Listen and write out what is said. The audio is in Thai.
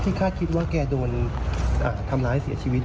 คาดคิดว่าแกโดนทำร้ายเสียชีวิต